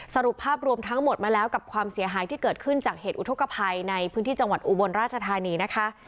สรุปภาพรวมทั้งหมดมาแล้วกับความเสียหายที่เกิดขึ้นจากเหตุอุทธกภัยในพื้นที่จังหวัดอุบลราชธานีนะคะ